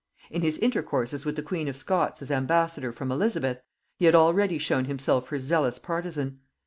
In his intercourses with the queen of Scots as ambassador from Elizabeth, he had already shown himself her zealous partisan.